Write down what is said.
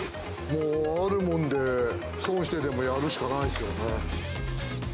もうあるもんで、損してでもやるしかないですよね。